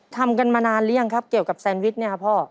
ทำกันมานานหรือยังครับเกี่ยวกับแซนวิชเนี่ยครับพ่อ